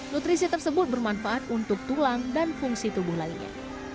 nutrisi tersebut bermanfaat untuk tulang dan fungsi tubuh lainnya